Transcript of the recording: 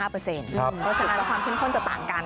เพราะฉะนั้นความเข้มข้นจะต่างกัน